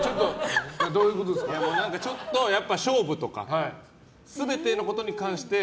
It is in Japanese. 勝負とか全てのことに関して。